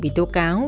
bị tố cáo